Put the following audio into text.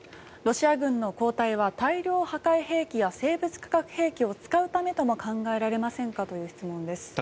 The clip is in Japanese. ロシア軍の後退は大量破壊兵器や生物・化学兵器を使うためとも考えられませんか？という質問です。